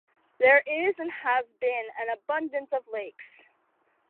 There is and has been an abundance of lakes.